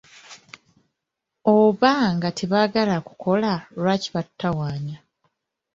Oba nga tebaagala kukola, lwaki batutawaanya?